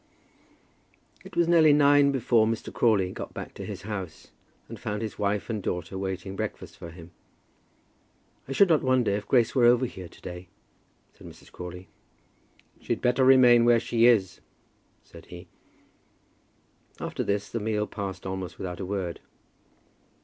It was nearly nine before Mr. Crawley got back to his house, and found his wife and daughter waiting breakfast for him. "I should not wonder if Grace were over here to day," said Mrs. Crawley. "She'd better remain where she is," said he. After this the meal passed almost without a word.